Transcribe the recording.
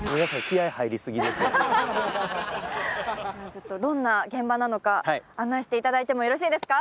ちょっとどんな現場なのか案内していただいてもよろしいですか？